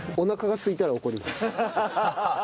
ハハハハ。